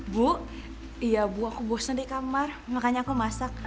bu ya bu aku bosen di kamar makanya aku masak